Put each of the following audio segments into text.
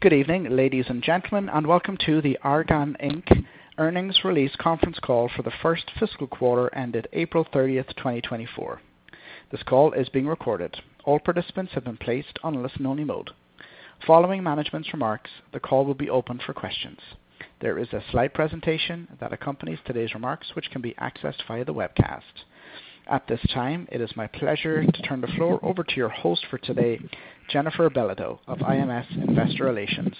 Good evening, ladies and gentlemen, and welcome to the Argan, Inc. earnings release conference call for the first fiscal quarter ended April 30, 2024. This call is being recorded. All participants have been placed on listen-only mode. Following management's remarks, the call will be open for questions. There is a slide presentation that accompanies today's remarks, which can be accessed via the webcast. At this time, it is my pleasure to turn the floor over to your host for today, Jennifer Belodeau of IMS Investor Relations.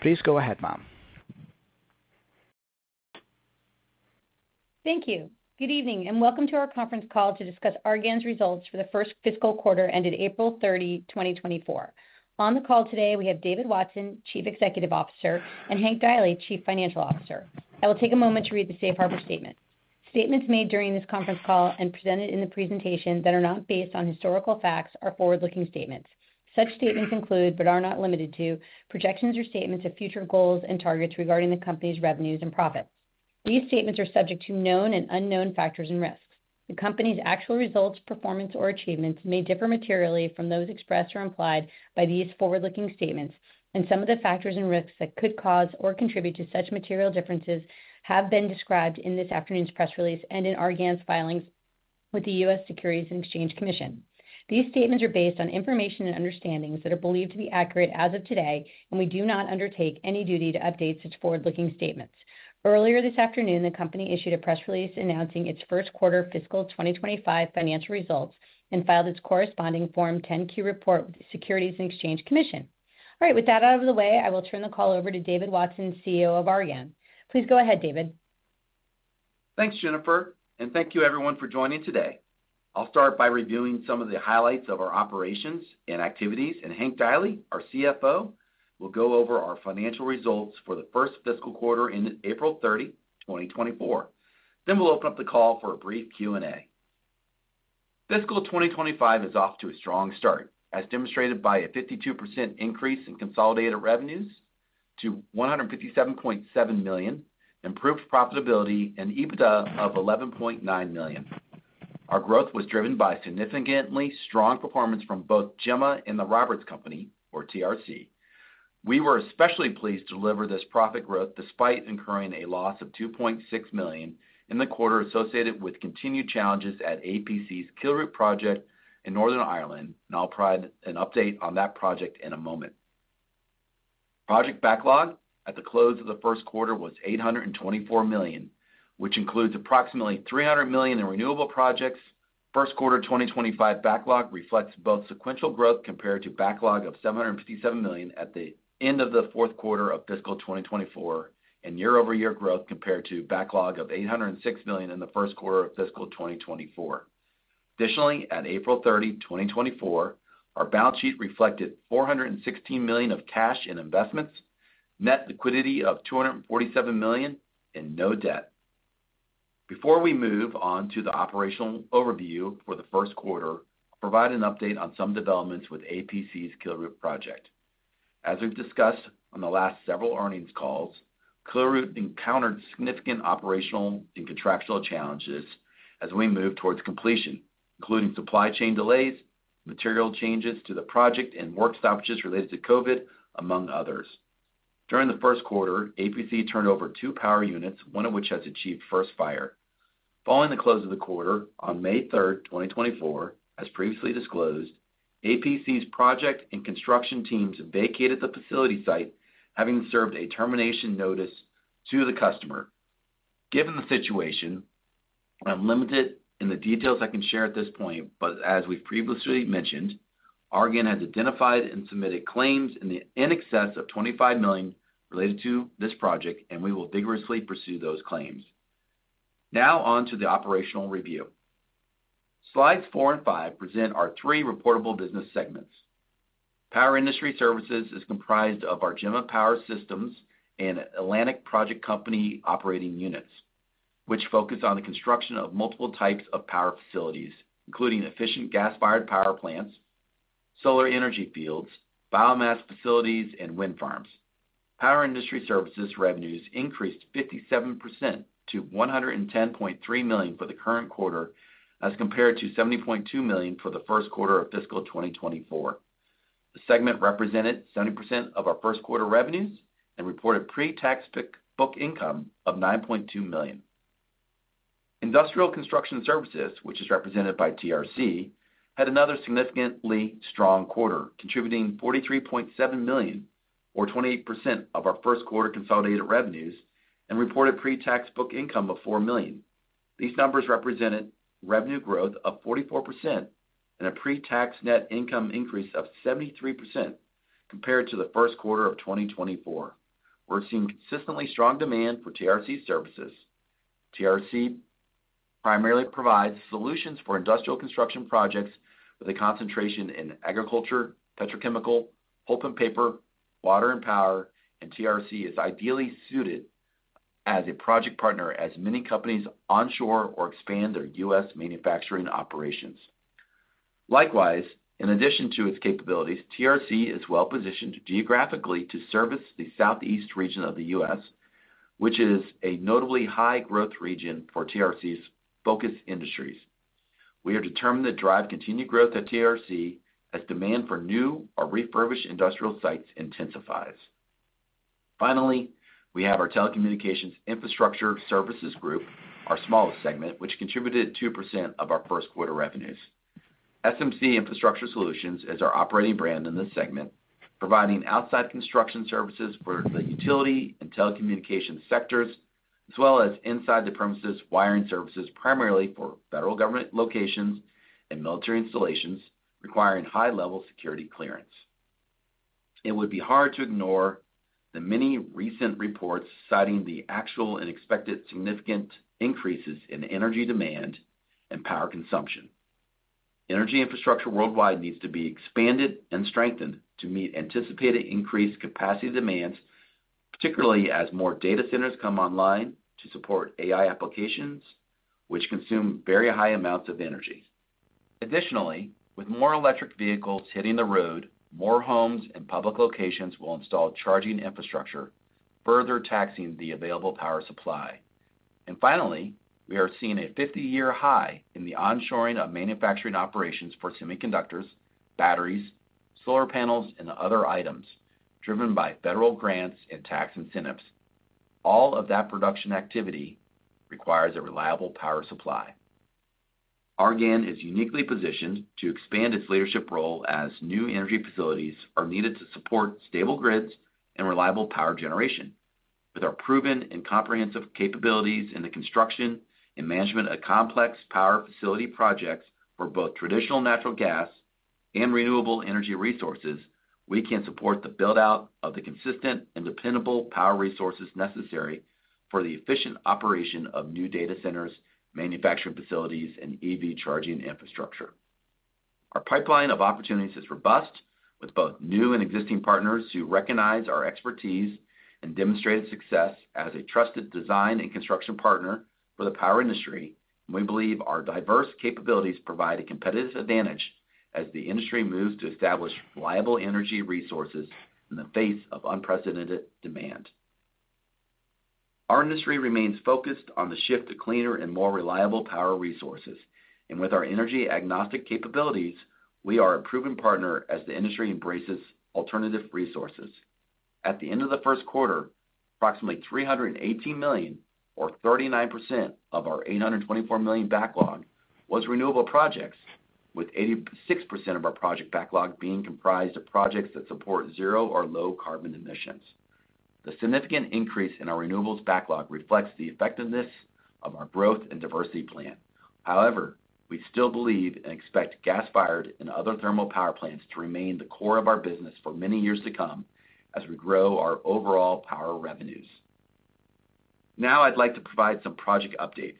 Please go ahead, ma'am. Thank you. Good evening, and welcome to our conference call to discuss Argan's results for the first fiscal quarter ended April 30, 2024. On the call today, we have David Watson, Chief Executive Officer, and Hank Deily, Chief Financial Officer. I will take a moment to read the Safe Harbor statement. Statements made during this conference call and presented in the presentation that are not based on historical facts are forward-looking statements. Such statements include, but are not limited to, projections or statements of future goals and targets regarding the company's revenues and profits. These statements are subject to known and unknown factors and risks. The company's actual results, performance, or achievements may differ materially from those expressed or implied by these forward-looking statements, and some of the factors and risks that could cause or contribute to such material differences have been described in this afternoon's press release and in Argan's filings with the U.S. Securities and Exchange Commission. These statements are based on information and understandings that are believed to be accurate as of today, and we do not undertake any duty to update such forward-looking statements. Earlier this afternoon, the company issued a press release announcing its first quarter fiscal 2025 financial results and filed its corresponding Form 10-Q report with the Securities and Exchange Commission. All right, with that out of the way, I will turn the call over to David Watson, CEO of Argan. Please go ahead, David. Thanks, Jennifer, and thank you everyone for joining today. I'll start by reviewing some of the highlights of our operations and activities, and Hank Deily, our CFO, will go over our financial results for the first fiscal quarter ending April 30, 2024. Then we'll open up the call for a brief Q&A. Fiscal 2025 is off to a strong start, as demonstrated by a 52% increase in consolidated revenues to $157.7 million, improved profitability, and EBITDA of $11.9 million. Our growth was driven by significantly strong performance from both Gemma and The Roberts Company, or TRC. We were especially pleased to deliver this profit growth despite incurring a loss of $2.6 million in the quarter associated with continued challenges at APC's Kilroot project in Northern Ireland, and I'll provide an update on that project in a moment. Project backlog at the close of the first quarter was $824 million, which includes approximately $300 million in renewable projects. First quarter 2025 backlog reflects both sequential growth compared to backlog of $757 million at the end of the fourth quarter of fiscal 2024, and year-over-year growth compared to backlog of $806 million in the first quarter of fiscal 2024. Additionally, at April 30, 2024, our balance sheet reflected $416 million of cash and investments, net liquidity of $247 million, and no debt. Before we move on to the operational overview for the first quarter, I'll provide an update on some developments with APC's Kilroot project. As we've discussed on the last several earnings calls, Kilroot encountered significant operational and contractual challenges as we moved towards completion, including supply chain delays, material changes to the project, and work stoppages related to COVID, among others. During the first quarter, APC turned over two power units, one of which has achieved first fire. Following the close of the quarter, on May 3, 2024, as previously disclosed, APC's project and construction teams vacated the facility site, having served a termination notice to the customer. Given the situation, I'm limited in the details I can share at this point, but as we've previously mentioned, Argan has identified and submitted claims in excess of $25 million related to this project, and we will vigorously pursue those claims. Now, on to the operational review. Slides four and five present our three reportable business segments. Power Industry Services is comprised of our Gemma Power Systems and Atlantic Projects Company operating units, which focus on the construction of multiple types of power facilities, including efficient gas-fired power plants, solar energy fields, biomass facilities, and wind farms. Power Industry Services revenues increased 57% to $110.3 million for the current quarter, as compared to $70.2 million for the first quarter of fiscal 2024. The segment represented 70% of our first quarter revenues and reported pre-tax book income of $9.2 million. Industrial Construction Services, which is represented by TRC, had another significantly strong quarter, contributing $43.7 million or 28% of our first quarter consolidated revenues and reported pre-tax book income of $4 million. These numbers represented revenue growth of 44% and a pre-tax net income increase of 73% compared to the first quarter of 2024. We're seeing consistently strong demand for TRC's services. TRC primarily provides solutions for industrial construction projects with a concentration in agriculture, petrochemical, pulp and paper, water and power, and TRC is ideally suited as a project partner as many companies onshore or expand their U.S. manufacturing operations. Likewise, in addition to its capabilities, TRC is well-positioned geographically to service the southeast region of the U.S., which is a notably high-growth region for TRC's focus industries.... We are determined to drive continued growth at TRC as demand for new or refurbished industrial sites intensifies. Finally, we have our Telecommunications Infrastructure Services group, our smallest segment, which contributed 2% of our first quarter revenues. SMC Infrastructure Solutions is our operating brand in this segment, providing outside construction services for the utility and telecommunications sectors, as well as inside premises wiring services, primarily for federal government locations and military installations requiring high-level security clearance. It would be hard to ignore the many recent reports citing the actual and expected significant increases in energy demand and power consumption. Energy infrastructure worldwide needs to be expanded and strengthened to meet anticipated increased capacity demands, particularly as more data centers come online to support AI applications, which consume very high amounts of energy. Additionally, with more electric vehicles hitting the road, more homes and public locations will install charging infrastructure, further taxing the available power supply. Finally, we are seeing a 50-year high in the onshoring of manufacturing operations for semiconductors, batteries, solar panels, and other items, driven by federal grants and tax incentives. All of that production activity requires a reliable power supply. Argan is uniquely positioned to expand its leadership role as new energy facilities are needed to support stable grids and reliable power generation. With our proven and comprehensive capabilities in the construction and management of complex power facility projects for both traditional natural gas and renewable energy resources, we can support the build-out of the consistent and dependable power resources necessary for the efficient operation of new data centers, manufacturing facilities, and EV charging infrastructure. Our pipeline of opportunities is robust, with both new and existing partners who recognize our expertise and demonstrated success as a trusted design and construction partner for the power industry. We believe our diverse capabilities provide a competitive advantage as the industry moves to establish reliable energy resources in the face of unprecedented demand. Our industry remains focused on the shift to cleaner and more reliable power resources, and with our energy-agnostic capabilities, we are a proven partner as the industry embraces alternative resources. At the end of the first quarter, approximately $318 million, or 39% of our $824 million backlog, was renewable projects, with 86% of our project backlog being comprised of projects that support zero or low carbon emissions. The significant increase in our renewables backlog reflects the effectiveness of our growth and diversity plan. However, we still believe and expect gas-fired and other thermal power plants to remain the core of our business for many years to come as we grow our overall power revenues. Now I'd like to provide some project updates.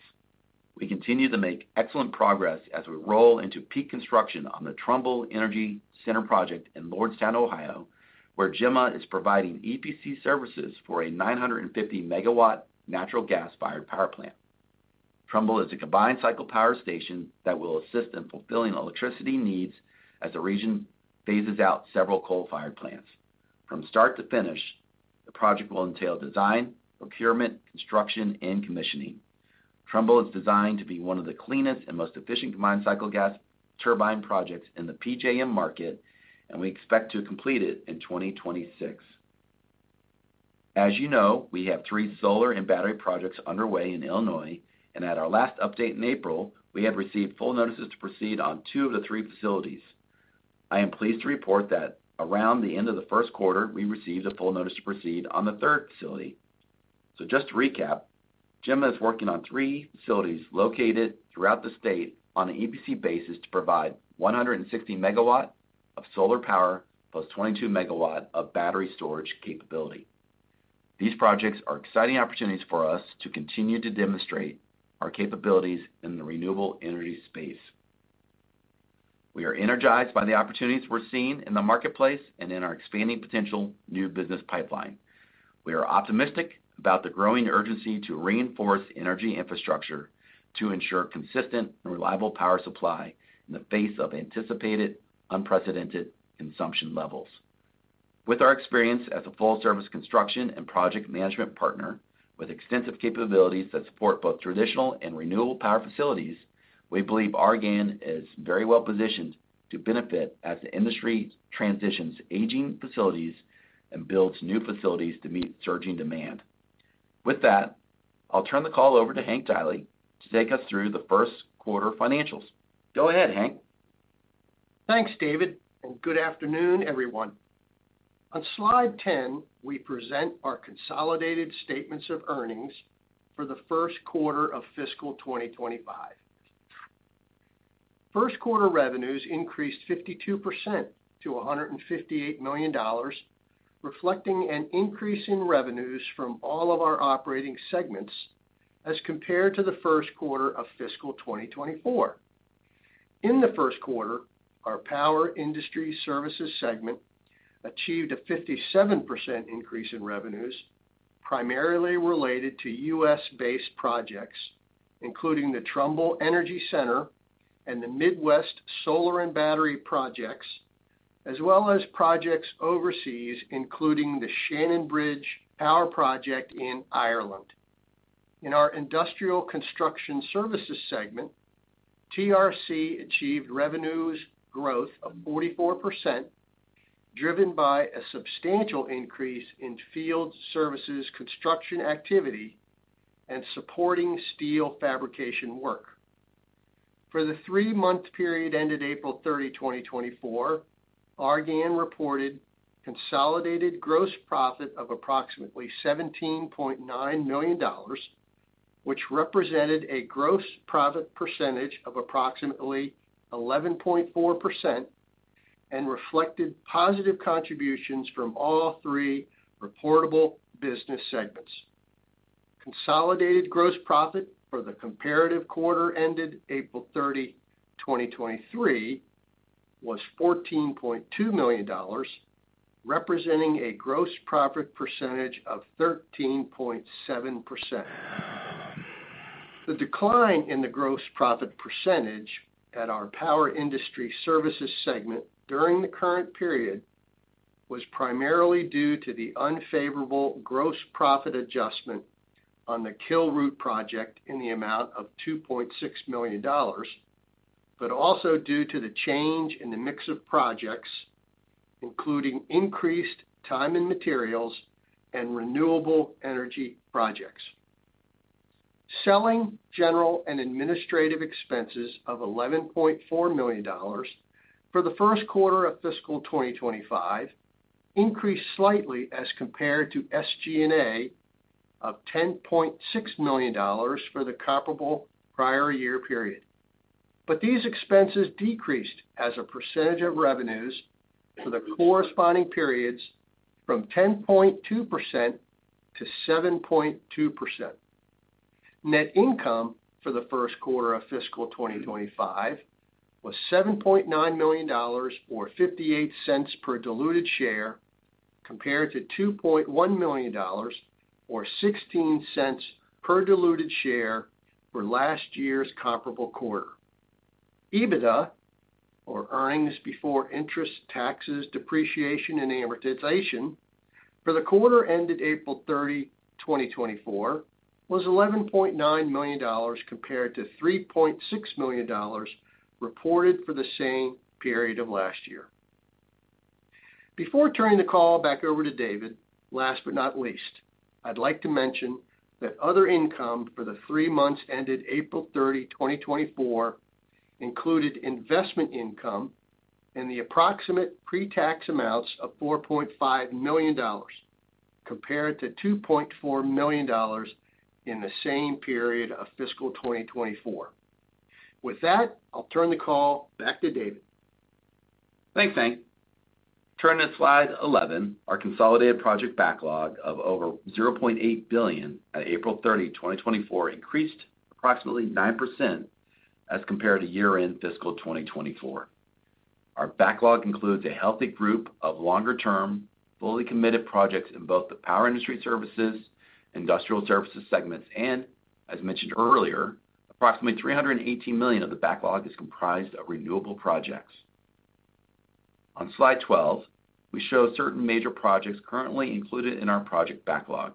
We continue to make excellent progress as we roll into peak construction on the Trumbull Energy Center project in Lordstown, Ohio, where Gemma is providing EPC services for a 950-megawatt natural gas-fired power plant. Trumbull is a combined cycle power station that will assist in fulfilling electricity needs as the region phases out several coal-fired plants. From start to finish, the project will entail design, procurement, construction, and commissioning. Trumbull is designed to be one of the cleanest and most efficient combined-cycle gas turbine projects in the PJM market, and we expect to complete it in 2026. As you know, we have three solar and battery projects underway in Illinois, and at our last update in April, we had received full notices to proceed on two of the three facilities. I am pleased to report that around the end of the first quarter, we received a full notice to proceed on the third facility. So just to recap, Gemma is working on three facilities located throughout the state on an EPC basis to provide 160 megawatt of solar power, plus 22 megawatt of battery storage capability. These projects are exciting opportunities for us to continue to demonstrate our capabilities in the renewable energy space. We are energized by the opportunities we're seeing in the marketplace and in our expanding potential new business pipeline. We are optimistic about the growing urgency to reinforce energy infrastructure to ensure consistent and reliable power supply in the face of anticipated, unprecedented consumption levels. With our experience as a full-service construction and project management partner, with extensive capabilities that support both traditional and renewable power facilities, we believe our Argan is very well positioned to benefit as the industry transitions aging facilities and builds new facilities to meet surging demand. With that, I'll turn the call over to Hank Deily to take us through the first quarter financials. Go ahead, Hank. Thanks, David, and good afternoon, everyone. On slide 10, we present our consolidated statements of earnings for the first quarter of fiscal 2025. First quarter revenues increased 52% to $158 million, reflecting an increase in revenues from all of our operating segments as compared to the first quarter of fiscal 2024. In the first quarter, our power industry services segment achieved a 57% increase in revenues, primarily related to U.S.-based projects, including the Trumbull Energy Center and the Midwest Solar and Battery projects, as well as projects overseas, including the Shannonbridge Power Project in Ireland. In our industrial construction services segment, TRC achieved revenues growth of 44%, driven by a substantial increase in field services, construction activity, and supporting steel fabrication work. For the three-month period ended April 30, 2024, Argan reported consolidated gross profit of approximately $17.9 million, which represented a gross profit percentage of approximately 11.4% and reflected positive contributions from all three reportable business segments. Consolidated gross profit for the comparative quarter ended April 30, 2023, was $14.2 million, representing a gross profit percentage of 13.7%. The decline in the gross profit percentage at our power industry services segment during the current period was primarily due to the unfavorable gross profit adjustment on the Kilroot project in the amount of $2.6 million, but also due to the change in the mix of projects, including increased time and materials and renewable energy projects. Selling, general, and administrative expenses of $11.4 million for the first quarter of fiscal 2025 increased slightly as compared to SG&A of $10.6 million for the comparable prior year period. These expenses decreased as a percentage of revenues for the corresponding periods from 10.2% to 7.2%. Net income for the first quarter of fiscal 2025 was $7.9 million, or $0.58 per diluted share, compared to $2.1 million, or $0.16 per diluted share for last year's comparable quarter. EBITDA, or earnings before interest, taxes, depreciation, and amortization, for the quarter ended April 30, 2024, was $11.9 million, compared to $3.6 million reported for the same period of last year. Before turning the call back over to David, last but not least, I'd like to mention that other income for the three months ended April 30, 2024, included investment income in the approximate pretax amounts of $4.5 million, compared to $2.4 million in the same period of fiscal 2024. With that, I'll turn the call back to David. Thanks, Hank. Turning to Slide 11, our consolidated project backlog of over $0.8 billion at April 30, 2024, increased approximately 9% as compared to year-end fiscal 2024. Our backlog includes a healthy group of longer-term, fully committed projects in both the power industry services, industrial services segments, and as mentioned earlier, approximately $318 million of the backlog is comprised of renewable projects. On Slide 12, we show certain major projects currently included in our project backlog.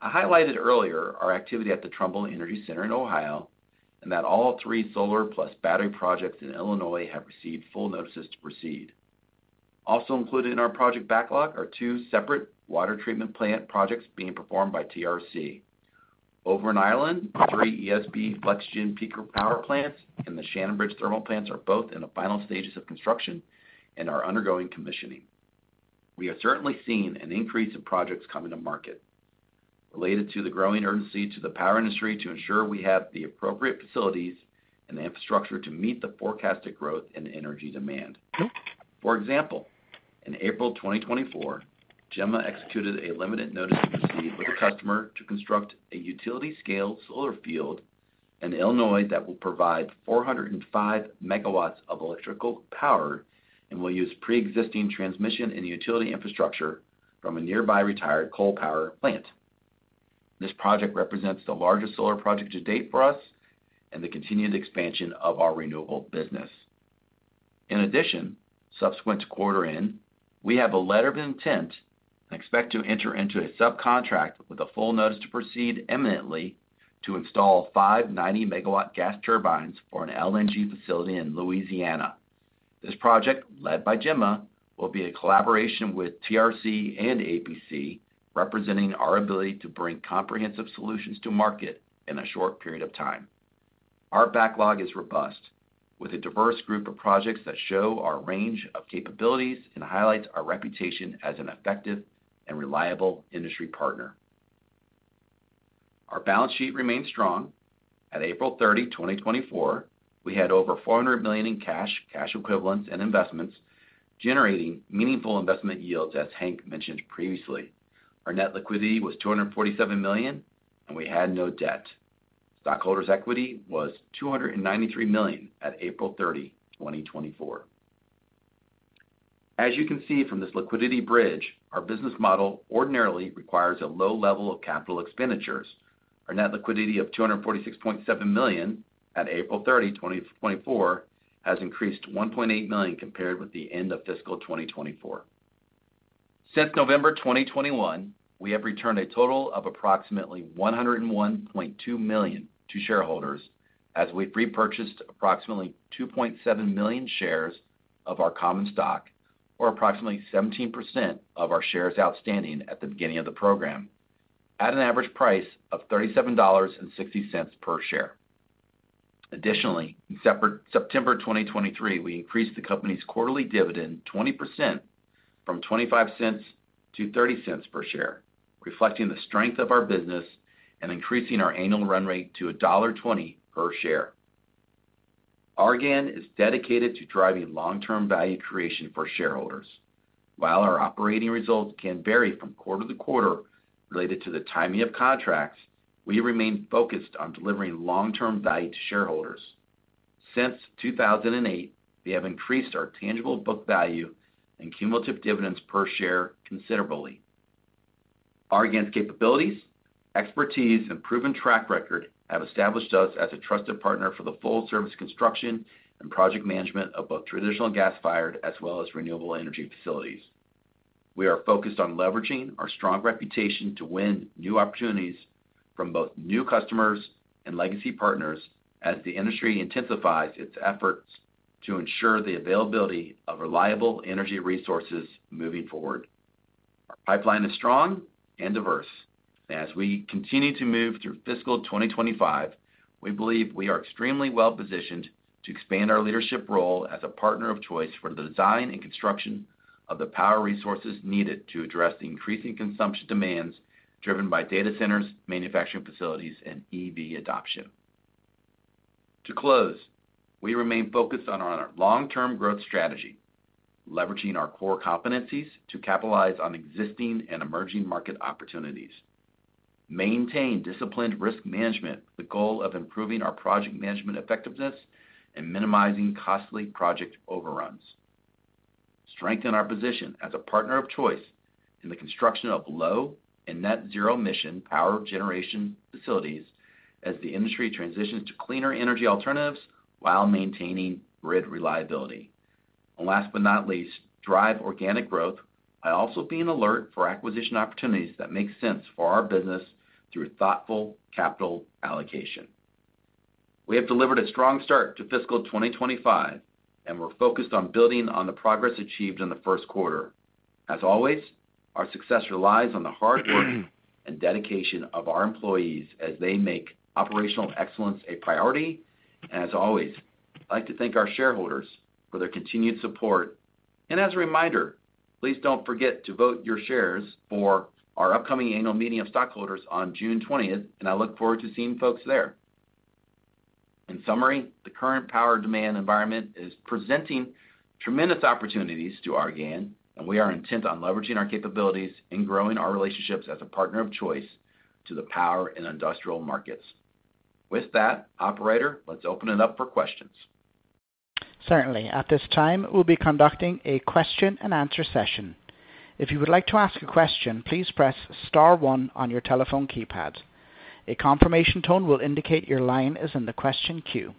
I highlighted earlier our activity at the Trumbull Energy Center in Ohio, and that all three solar plus battery projects in Illinois have received full notices to proceed. Also included in our project backlog are two separate water treatment plant projects being performed by TRC. Over in Ireland, three ESB FlexGen Peaker Plants and the Shannonbridge thermal plants are both in the final stages of construction and are undergoing commissioning. We have certainly seen an increase in projects coming to market related to the growing urgency to the power industry to ensure we have the appropriate facilities and the infrastructure to meet the forecasted growth in energy demand. For example, in April 2024, Gemma executed a limited notice to proceed with a customer to construct a utility-scale solar field in Illinois that will provide 405 MW of electrical power and will use pre-existing transmission and utility infrastructure from a nearby retired coal power plant. This project represents the largest solar project to date for us and the continued expansion of our renewable business. In addition, subsequent to quarter end, we have a letter of intent and expect to enter into a subcontract with a full notice to proceed imminently to install five 90-megawatt gas turbines for an LNG facility in Louisiana. This project, led by Gemma, will be a collaboration with TRC and APC, representing our ability to bring comprehensive solutions to market in a short period of time. Our backlog is robust, with a diverse group of projects that show our range of capabilities and highlights our reputation as an effective and reliable industry partner. Our balance sheet remains strong. At April 30, 2024, we had over $400 million in cash, cash equivalents, and investments, generating meaningful investment yields, as Hank mentioned previously. Our net liquidity was $247 million, and we had no debt. Stockholders' equity was $293 million at April 30, 2024. As you can see from this liquidity bridge, our business model ordinarily requires a low level of capital expenditures. Our net liquidity of $246.7 million at April 30, 2024, has increased $1.8 million compared with the end of fiscal 2024. Since November 2021, we have returned a total of approximately $101.2 million to shareholders, as we've repurchased approximately 2.7 million shares of our common stock, or approximately 17% of our shares outstanding at the beginning of the program, at an average price of $37.60 per share. Additionally, in September 2023, we increased the company's quarterly dividend 20% from $0.25 to $0.30 per share, reflecting the strength of our business and increasing our annual run rate to $1.20 per share. Our gain is dedicated to driving long-term value creation for shareholders. While our operating results can vary from quarter to quarter related to the timing of contracts, we remain focused on delivering long-term value to shareholders. Since 2008, we have increased our tangible book value and cumulative dividends per share considerably. Our capabilities, expertise, and proven track record have established us as a trusted partner for the full service, construction, and project management of both traditional gas-fired as well as renewable energy facilities. We are focused on leveraging our strong reputation to win new opportunities from both new customers and legacy partners, as the industry intensifies its efforts to ensure the availability of reliable energy resources moving forward. Our pipeline is strong and diverse. As we continue to move through fiscal 2025, we believe we are extremely well positioned to expand our leadership role as a partner of choice for the design and construction of the power resources needed to address the increasing consumption demands driven by data centers, manufacturing facilities, and EV adoption. To close, we remain focused on our long-term growth strategy, leveraging our core competencies to capitalize on existing and emerging market opportunities, maintain disciplined risk management, the goal of improving our project management effectiveness, and minimizing costly project overruns. Strengthen our position as a partner of choice in the construction of low and net zero emission power generation facilities as the industry transitions to cleaner energy alternatives while maintaining grid reliability. And last but not least, drive organic growth by also being alert for acquisition opportunities that make sense for our business through thoughtful capital allocation. We have delivered a strong start to fiscal 2025, and we're focused on building on the progress achieved in the first quarter. As always, our success relies on the hard work and dedication of our employees as they make operational excellence a priority. And as always, I'd like to thank our shareholders for their continued support. And as a reminder, please don't forget to vote your shares for our upcoming annual meeting of stockholders on June twentieth, and I look forward to seeing folks there. In summary, the current power demand environment is presenting tremendous opportunities to Argan, and we are intent on leveraging our capabilities and growing our relationships as a partner of choice to the power and industrial markets. With that, operator, let's open it up for questions. Certainly. At this time, we'll be conducting a question and answer session. If you would like to ask a question, please press star one on your telephone keypad. A confirmation tone will indicate your line is in the question queue.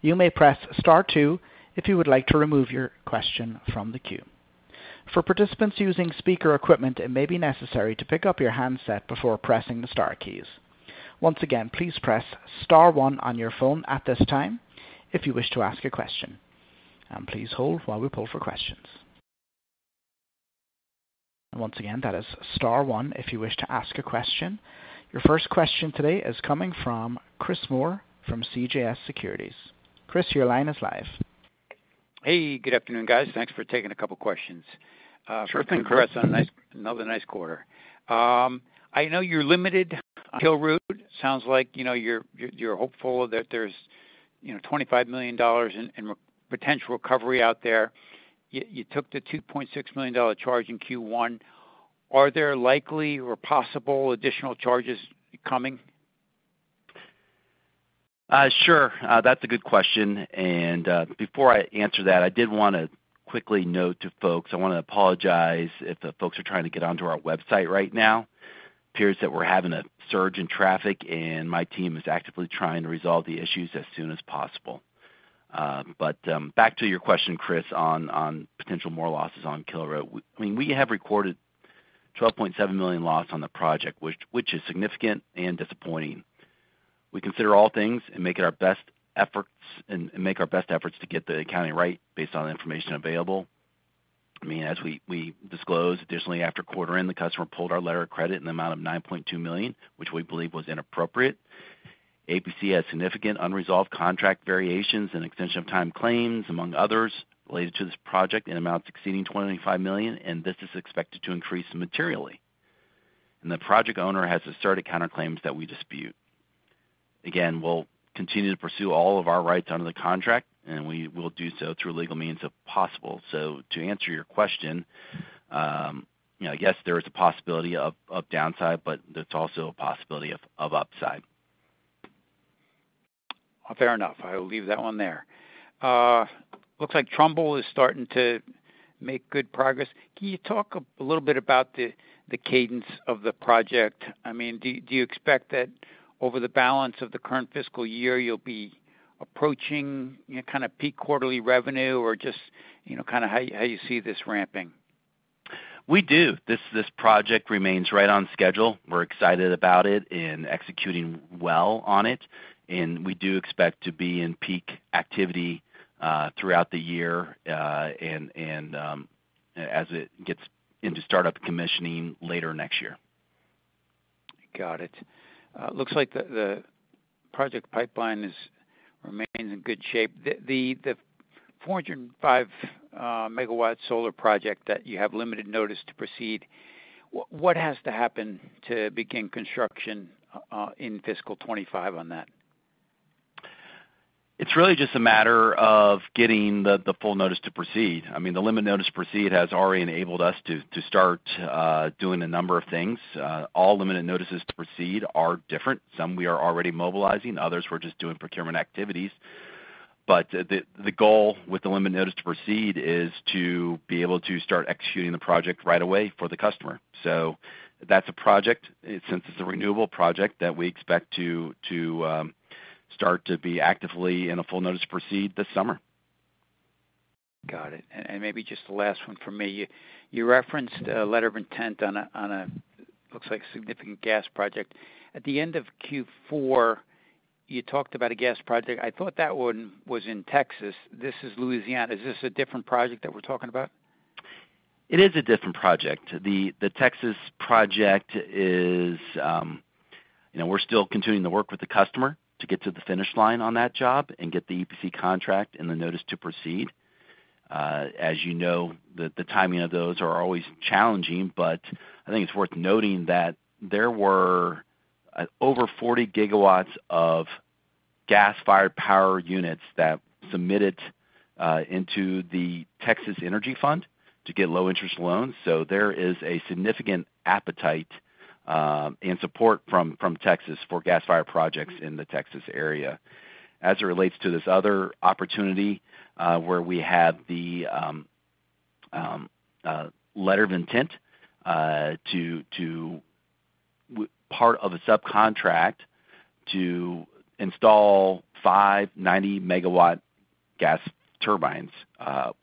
You may press star two if you would like to remove your question from the queue. For participants using speaker equipment, it may be necessary to pick up your handset before pressing the star keys. Once again, please press star one on your phone at this time if you wish to ask a question. Please hold while we pull for questions. Once again, that is star one if you wish to ask a question. Your first question today is coming from Chris Moore from CJS Securities. Chris, your line is live. Hey, good afternoon, guys. Thanks for taking a couple questions. Sure thing, Chris. Congrats on another nice quarter. I know you're limited on Kilroot. Sounds like, you know, you're hopeful that there's, you know, $25 million in potential recovery out there. You took the $2.6 million charge in Q1. Are there likely or possible additional charges coming? Sure. That's a good question, and before I answer that, I did wanna quickly note to folks, I wanna apologize if the folks are trying to get onto our website right now. It appears that we're having a surge in traffic, and my team is actively trying to resolve the issues as soon as possible. But back to your question, Chris, on potential more losses on Kilroot. I mean, we have recorded $12.7 million loss on the project, which is significant and disappointing. We consider all things and make it our best efforts, and make our best efforts to get the accounting right based on the information available. I mean, as we disclosed additionally, after quarter end, the customer pulled our letter of credit in the amount of $9.2 million, which we believe was inappropriate. APC has significant unresolved contract variations and extension of time claims, among others, related to this project, in amounts exceeding $25 million, and this is expected to increase materially. The project owner has asserted counterclaims that we dispute. Again, we'll continue to pursue all of our rights under the contract, and we will do so through legal means if possible. So to answer your question, you know, yes, there is a possibility of downside, but there's also a possibility of upside. Oh, fair enough. I will leave that one there. Looks like Trumbull is starting to make good progress. Can you talk a little bit about the, the cadence of the project? I mean, do, do you expect that over the balance of the current fiscal year, you'll be approaching, you know, kind of peak quarterly revenue or just, you know, kind of how you, how you see this ramping? We do. This project remains right on schedule. We're excited about it and executing well on it, and we do expect to be in peak activity throughout the year, and as it gets into startup commissioning later next year. Got it. It looks like the, the, the project pipeline is remaining in good shape. The, the, the 405-megawatt solar project that you have limited notice to proceed, what, what has to happen to begin construction in fiscal 2025 on that? It's really just a matter of getting the full notice to proceed. I mean, the limited notice to proceed has already enabled us to start doing a number of things. All limited notices to proceed are different. Some we are already mobilizing, others we're just doing procurement activities. But the goal with the limited notice to proceed is to be able to start executing the project right away for the customer. So that's a project, since it's a renewable project, that we expect to start to be actively in a full notice to proceed this summer. Got it. And maybe just the last one from me. You referenced a letter of intent on a looks like a significant gas project. At the end of Q4, you talked about a gas project. I thought that one was in Texas. This is Louisiana. Is this a different project that we're talking about? It is a different project. The Texas project is, you know, we're still continuing to work with the customer to get to the finish line on that job and get the EPC contract and the notice to proceed. As you know, the timing of those are always challenging, but I think it's worth noting that there were over 40 gigawatts of gas-fired power units that submitted into the Texas Energy Fund to get low-interest loans. So there is a significant appetite and support from Texas for gas-fired projects in the Texas area. As it relates to this other opportunity, where we have the letter of intent to part of a subcontract to install five 90-megawatt gas turbines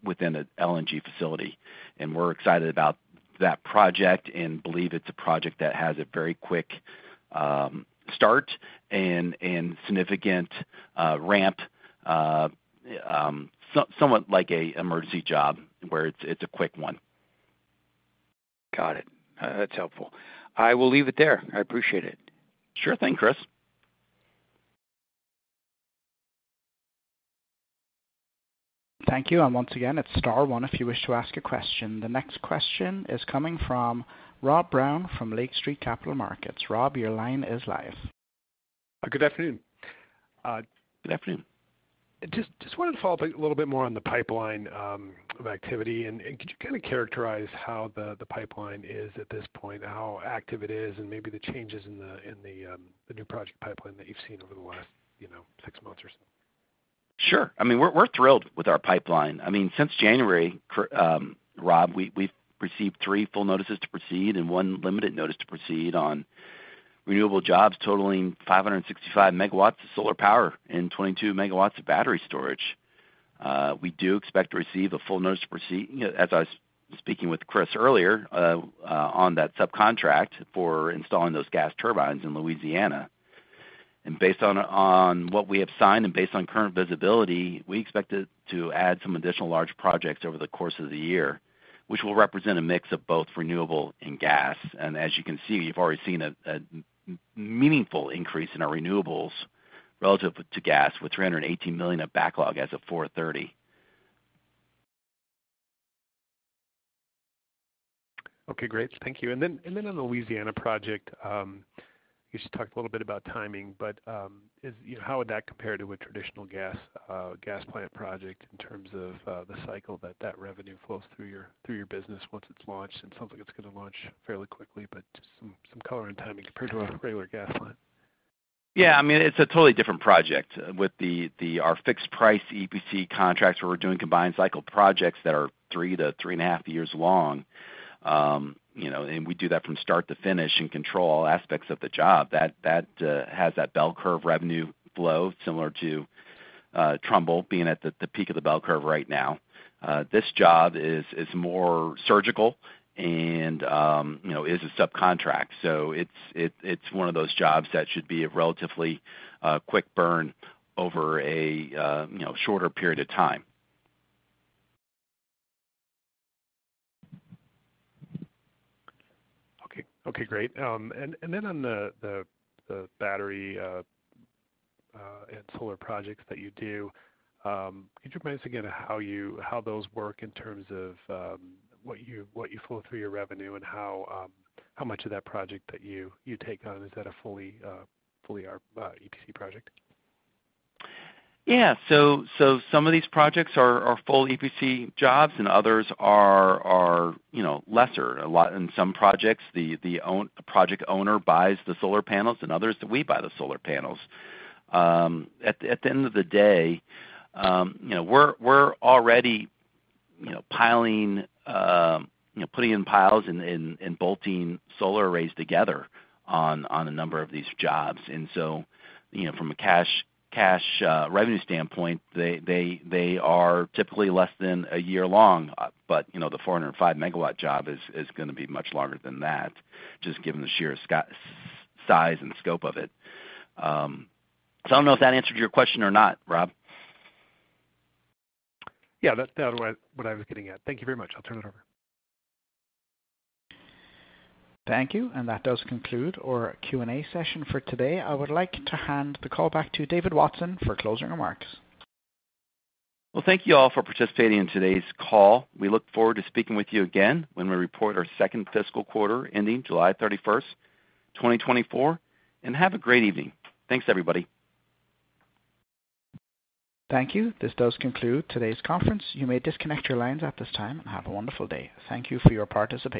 within an LNG facility. We're excited about that project and believe it's a project that has a very quick start and significant ramp, somewhat like an emergency job where it's a quick one. Got it. That's helpful. I will leave it there. I appreciate it. Sure thing, Chris. Thank you. And once again, it's star one if you wish to ask a question. The next question is coming from Rob Brown from Lake Street Capital Markets. Rob, your line is live. Good afternoon. Good afternoon. Just, just wanted to follow up a little bit more on the pipeline of activity. And could you kind of characterize how the pipeline is at this point, how active it is, and maybe the changes in the new project pipeline that you've seen over the last, you know, six months or so? Sure. I mean, we're thrilled with our pipeline. I mean, since January, Rob, we've received 3 full notices to proceed and 1 limited notice to proceed on renewable jobs totaling 565 megawatts of solar power and 22 megawatts of battery storage. We do expect to receive a full notice to proceed, as I was speaking with Chris earlier, on that subcontract for installing those gas turbines in Louisiana. And based on what we have signed and based on current visibility, we expect to add some additional large projects over the course of the year, which will represent a mix of both renewable and gas. And as you can see, you've already seen a meaningful increase in our renewables relative to gas, with $318 million of backlog as of 4/30. Okay, great. Thank you. And then on the Louisiana project, you just talked a little bit about timing, but is how would that compare to a traditional gas plant project in terms of the cycle that revenue flows through your business once it's launched? It sounds like it's gonna launch fairly quickly, but just some color and timing compared to a regular gas plant. Yeah, I mean, it's a totally different project. With our fixed price EPC contracts, where we're doing combined cycle projects that are 3-3.5 years long, you know, and we do that from start to finish and control all aspects of the job, that has that bell curve revenue flow, similar to Trumbull being at the peak of the bell curve right now. This job is more surgical and, you know, is a subcontract. So it's one of those jobs that should be a relatively quick burn over a shorter period of time. Okay. Okay, great. And then on the battery and solar projects that you do, could you remind us again how you—how those work in terms of what you flow through your revenue and how much of that project that you take on? Is that a fully EPC project? Yeah. So some of these projects are full EPC jobs, and others are, you know, lesser. A lot in some projects, the project owner buys the solar panels, and others we buy the solar panels. At the end of the day, you know, we're already, you know, piling, you know, putting in piles and bolting solar arrays together on a number of these jobs. So, you know, from a cash revenue standpoint, they are typically less than a year long. But, you know, the 405-megawatt job is gonna be much longer than that, just given the sheer size and scope of it. So I don't know if that answered your question or not, Rob. Yeah, that, that was what I was getting at. Thank you very much. I'll turn it over. Thank you, and that does conclude our Q&A session for today. I would like to hand the call back to David Watson for closing remarks. Well, thank you all for participating in today's call. We look forward to speaking with you again when we report our second fiscal quarter, ending July 31, 2024, and have a great evening. Thanks, everybody. Thank you. This does conclude today's conference. You may disconnect your lines at this time and have a wonderful day. Thank you for your participation.